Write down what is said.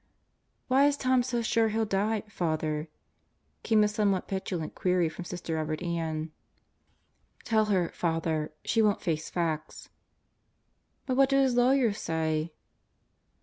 "Why is Tom so sure he'll die, Father?" came the somewhat petulant query from Sister Robert Ann. "Tell her, Father. She won't face facts." "But what do his lawyers say?"